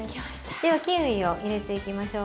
ではキウイを入れていきましょう。